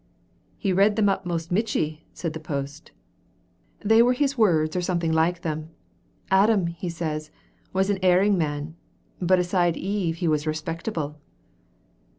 "He redd them up most michty," said the post. "Thae was his very words or something like them: 'Adam,' says he, 'was an erring man, but aside Eve he was respectable.'"